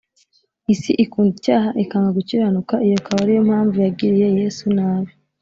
isi ikunda icyaha ikanga gukiranuka, iyo ikaba ari yo mpamvu yagiriye yesu nabi